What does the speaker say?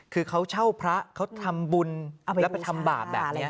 คือเขาเช่าพระเขาทำบุญแล้วไปทำบาปแบบนี้